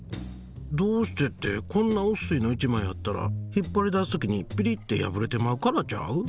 どうしてってこんなうっすいの１枚やったら引っ張り出す時にピリッて破れてまうからちゃう？